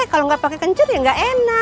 kalau nggak pakai kencur ya nggak enak